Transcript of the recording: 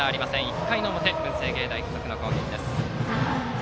１回の表の文星芸大付属の攻撃です。